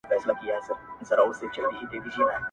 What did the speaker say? په ځنګلونو کي یې نسل ور پایمال که!.